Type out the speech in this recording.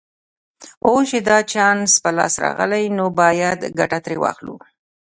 اوس چې دا چانس په لاس راغلی نو باید ګټه ترې واخلو